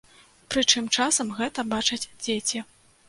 Прычым часам гэта бачаць дзеці.